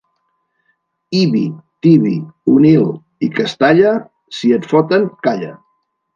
Ibi, Tibi, Onil i Castalla, si et foten, calla.